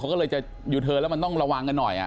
ก็เลยจะยูเทิร์นแล้วมันต้องระวังกันหน่อย